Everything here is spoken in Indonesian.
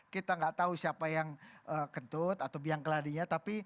kita nggak tahu siapa yang kentut atau biang keladinya